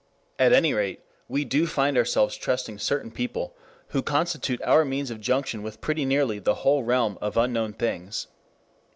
At any rate we do find ourselves trusting certain people, who constitute our means of junction with pretty nearly the whole realm of unknown things.